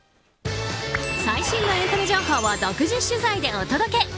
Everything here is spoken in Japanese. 最新のエンタメ情報を独自取材でお届け！